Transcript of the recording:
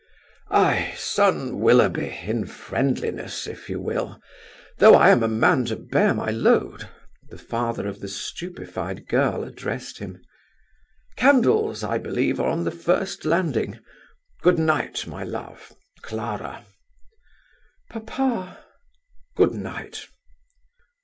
"Ay, son Willoughby, in friendliness, if you will, though I am a man to bear my load," the father of the stupefied girl addressed him. "Candles, I believe, are on the first landing. Good night, my love. Clara!" "Papa!" "Good night."